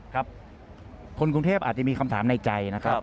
คนกรุงเทพอาจจะมีคำถามในใจนะครับ